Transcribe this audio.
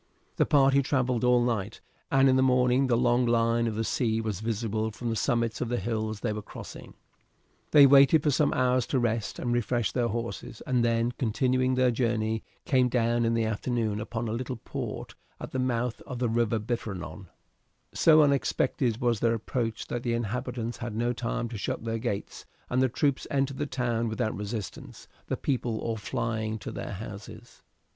The party travelled all night, and in the morning the long line of the sea was visible from the summits of the hills they were crossing. They waited for some hours to rest and refresh their horses, and then, continuing their journey, came down in the afternoon upon a little port at the mouth of the river Biferno. So unexpected was their approach that the inhabitants had not time to shut their gates, and the troops entered the town without resistance, the people all flying to their houses.